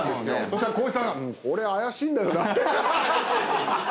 そしたら光一さん「これ怪しいんだよな」って。